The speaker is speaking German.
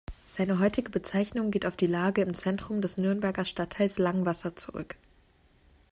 Seine heutige Bezeichnung geht auf die Lage im Zentrum des Nürnberger Stadtteils Langwasser zurück.